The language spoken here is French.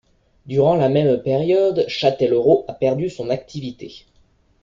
Durant la même période, Châtellerault a perdu de son attractivité.